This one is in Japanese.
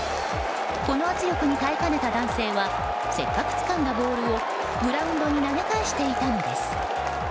この圧力に耐えかねた男性はせっかくつかんだボールをグラウンドに投げ返していたのです。